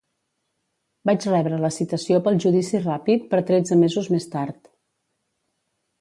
Vaig rebre la citació pel judici ràpid per tretze mesos més tard